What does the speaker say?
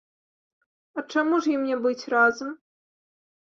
А чаму ж ім не быць разам?